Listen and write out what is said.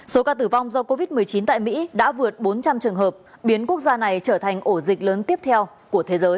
số ca tử vong do covid một mươi chín tại mỹ đã vượt bốn trăm linh trường hợp biến quốc gia này trở thành ổ dịch lớn tiếp theo của thế giới